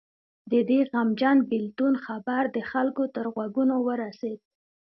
د دې غمجن بېلتون خبر د خلکو تر غوږونو ورسېد.